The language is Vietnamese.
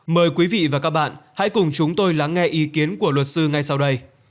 mời quý vị và các bạn hãy cùng chúng tôi lắng nghe ý kiến của luật sư ngay sau đây